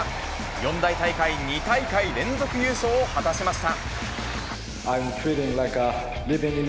四大大会２大会連続優勝を果たしました。